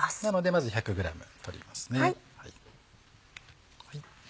まず１００ｇ取りますね。